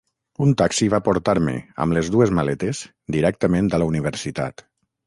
Un taxi va portar-me, amb les dues maletes, directament a la Universitat.